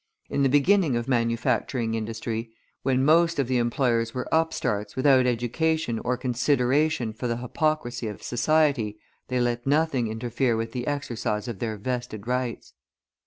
In the beginning of manufacturing industry, when most of the employers were upstarts without education or consideration for the hypocrisy of society, they let nothing interfere with the exercise of their vested rights.